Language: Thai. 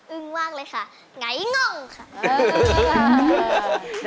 ึ้งมากเลยค่ะไงง่องค่ะ